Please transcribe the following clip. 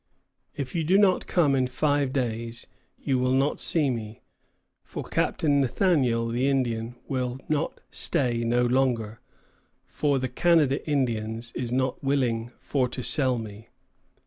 If you do not come in 5 days, you will not see me, for Captain Nathaniel the Indian will not stay no longer, for the Canada Indians is not willing for to sell me.